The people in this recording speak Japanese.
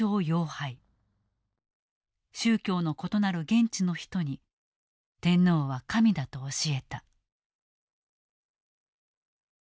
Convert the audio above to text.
宗教の異なる現地の人に天皇は神だと教えた。